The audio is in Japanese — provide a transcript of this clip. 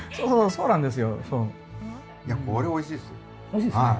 そうなんです。